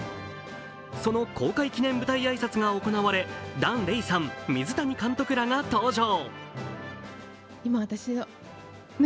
その公開記念舞台挨拶が行われ檀れいさん、水谷監督らが登場。